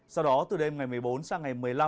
sau đó từ đêm ngày một mươi bốn sang ngày một mươi năm